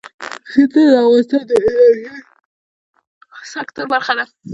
سیندونه د افغانستان د انرژۍ سکتور برخه ده.